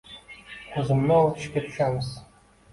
O‘zimizni ovutishga tushamiz.